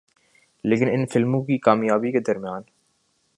لیکن ان فلموں کی کامیابی کے درمیان